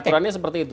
aturannya seperti itu